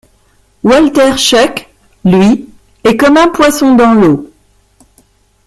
Walter Schuck, lui, est comme un poisson dans l'eau.